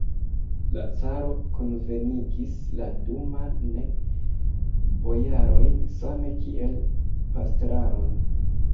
La caro kunvenigis la Duma'n: bojarojn same kiel pastraron.